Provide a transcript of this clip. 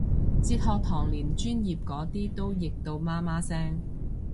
哲學堂連專業嗰啲都譯到媽媽聲